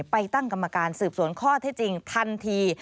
ไปตั้งกรรมการสืบสวนข้อเท็จจริงทันที